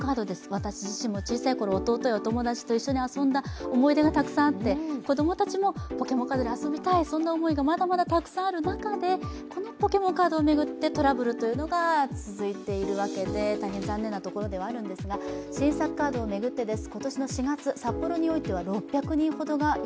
私自身も小さいころ、弟や友達と遊んだ思い出がたくさんあって子供たちもポケモンカードで遊びたい、そんな思いがまだまだたくさんある中で、このポケモンカードを巡ってトラブルというのが増えているわけで大変残念なところではあるんですが新作カードを巡ってです。